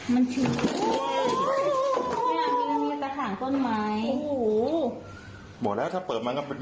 น่าจะมันตีไม่เสร็จ